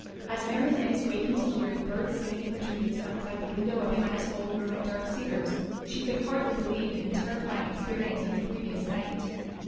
As Mary Louise wakened to hear the birds singing in the trees outside the window of Hannah's old room at Dark Cedars, she could hardly believe in the terrifying experience of the previous night.